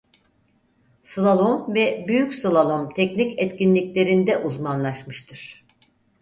Slalom ve büyük slalom teknik etkinliklerinde uzmanlaşmıştır.